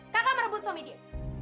kakak merebut suami dia